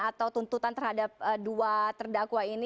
atau tuntutan terhadap dua terdakwa ini